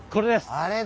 あれだ！